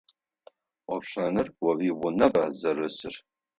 Ӏофшӏэныр о уиунэба зэрысыр?